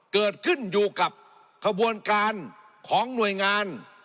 เกิดขึ้นอยู่กับขบวนการของหน่วยงาน